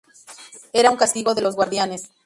Era un castigo de los guardianes.